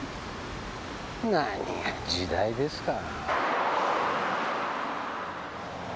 何が時代ですか。